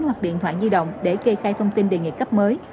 hoặc điện thoại di động để kê khai thông tin đề nghị cấp mới